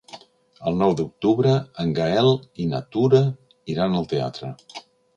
El nou d'octubre en Gaël i na Tura iran al teatre.